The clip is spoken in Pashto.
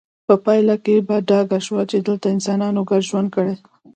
په پایله کې په ډاګه شوه چې دلته انسانانو ګډ ژوند کړی